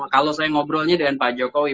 kalau saya ngobrolnya dengan pak jokowi